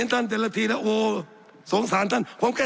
สับขาหลอกกันไปสับขาหลอกกันไป